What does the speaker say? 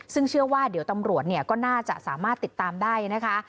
ซึ่งเชื่อว่าเดี๋ยวตำรวจก็น่าจะสามารถติดตามได้นะคะ